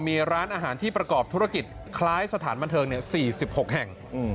มีร้านอาหารที่ประกอบธุรกิจคล้ายสถานบันเทิง๔๖แห่ง